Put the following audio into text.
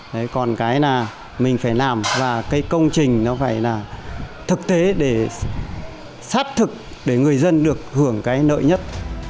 đấy còn cái là mình phải làm và cái công trình nó phải là thực tế để sát thực để người dân được hưởng cái nợ nhất